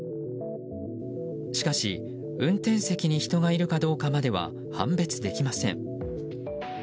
しかし運転席に人がいるかどうかまでは判別できません。